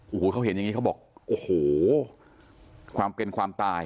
โอ้โหเขาเห็นอย่างนี้เขาบอกโอ้โหความเป็นความตาย